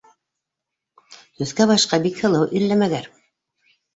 Төҫкә- башҡа бик һылыу иллә мәгәр